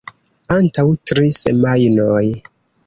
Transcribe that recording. Antaŭ tri semajnoj.